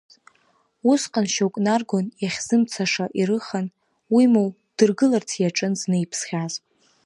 Усҟан шьоук наргон иахьзымцаша ирыхан, уимоу, ддыргыларц иаҿын зны иԥсхьаз.